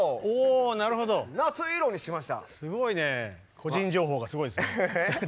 個人情報がすごいですね。